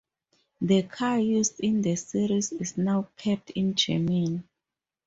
The car used in the series is now kept in Germany.